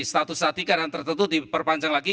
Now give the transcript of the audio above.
status saat ini karena tertentu diperpanjang lagi